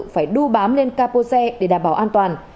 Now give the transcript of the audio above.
phải đu bám lên capo xe để đảm bảo an toàn